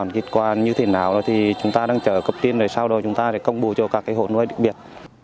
kết quả như thế nào thì chúng ta đang chờ cập tin rồi sau đó chúng ta công bố cho các hộ nuôi đặc biệt